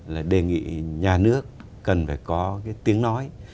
là đề nghị nhà nước cần phải có cái tiếng nói